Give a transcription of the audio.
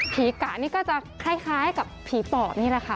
กะนี่ก็จะคล้ายกับผีปอบนี่แหละค่ะ